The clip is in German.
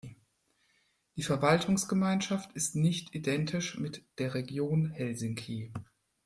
Die Verwaltungsgemeinschaft ist nicht identisch mit der Region Helsinki.